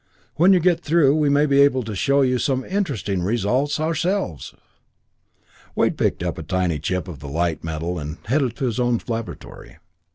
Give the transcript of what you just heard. When you get through, we may be able to show you some interesting results ourselves!" Wade picked up a tiny chip of the light metal and headed for his own laboratory.